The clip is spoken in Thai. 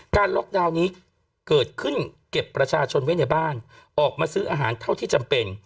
ล็อกดาวน์นี้เกิดขึ้นเก็บประชาชนไว้ในบ้านออกมาซื้ออาหารเท่าที่จำเป็น